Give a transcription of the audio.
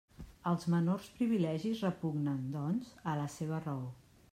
Els menors privilegis repugnen, doncs, a la seva raó.